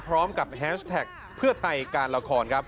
พร้อมกับแฮชแท็กเพื่อไทยการละครครับ